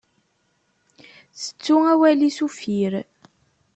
Tettu awal-is uffir.